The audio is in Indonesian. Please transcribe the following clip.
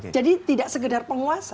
jadi tidak segedar penguasa